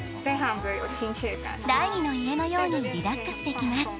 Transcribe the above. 第二の家のようにリラックスできます